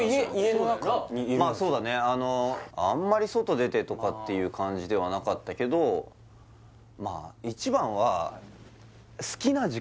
まあそうだねあんまり外出てとかっていう感じではなかったけどああ